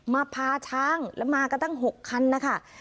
มาพาช้างแล้วมากันตั้ง๖คันนะคะ